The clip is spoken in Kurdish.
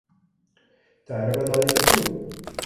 Te erebe diajot ku?